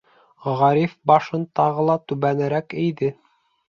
Ғариф башын тағы ла түбәнерәк эйҙе.